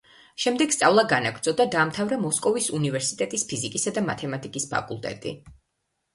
შემდეგ სწავლა განაგრძო და დაამთავარა მოსკოვის უნივერსიტეტის ფიზიკისა და მათემატიკის ფაკულტეტი.